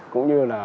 cũng như là